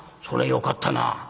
「そりゃよかったな」。